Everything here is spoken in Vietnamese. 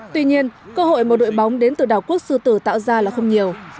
tuy nhiên cơ hội mà đội bóng đến từ đảo quốc sư tử tạo ra là không nhiều